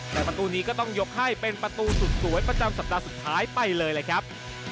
แต่ประตูนี้ก็ต้องยกให้เป็นประตูสุดสวยประจำสัปดาห์สุดท้ายไปเลยเลยครับ